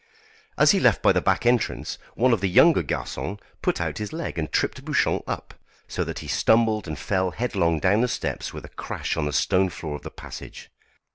As he left by the back entrance, one of the younger garçons put out his leg and tripped Bouchon up, so that he stumbled and fell headlong down the steps with a crash on the stone floor of the passage.